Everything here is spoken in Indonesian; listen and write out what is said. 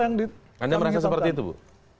anda merasa seperti itu bu